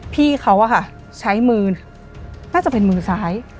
พี่เขาอะค่ะใช้มือนาจจะเป็นมือสาย